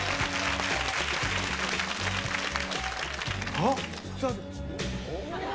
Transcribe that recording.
あっ。